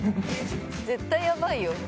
絶対やばいよ。